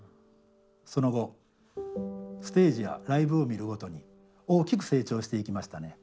その後ステージやライブを見るごとに大きく成長していきましたね。